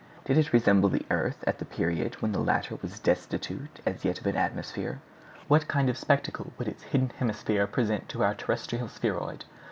Did it resemble the earth at the period when the latter was destitute as yet of an atmosphere? What kind of spectacle would its hidden hemisphere present to our terrestrial spheroid?